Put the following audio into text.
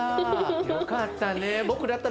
よかったね。